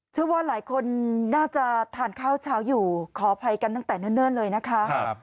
เชื่อว่าหลายคนน่าจะทานข้าวเช้าอยู่ขออภัยกันตั้งแต่เนิ่นเลยนะคะ